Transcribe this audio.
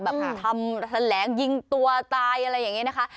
แบบทำแถลงยิงตัวตายอะไรอย่างนี้นะคะ